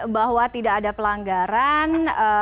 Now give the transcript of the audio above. bahwa tidak ada pelanggaran